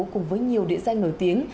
cùng với nhiều địa danh nổi tiếng